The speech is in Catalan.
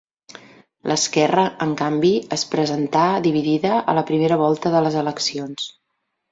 L'esquerra, en canvi, es presentà dividida a la primera volta de les eleccions.